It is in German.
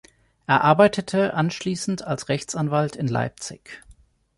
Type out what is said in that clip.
Er arbeitete anschließend als Rechtsanwalt in Leipzig.